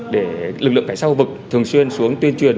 để lực lượng cảnh sát khu vực thường xuyên xuống tuyên truyền